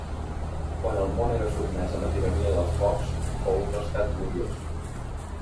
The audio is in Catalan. Quan el món era sotmès a la tirania dels pocs, fou un rescat gloriós.